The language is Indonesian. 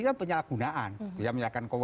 kan penyalahgunaan dia menyalahkan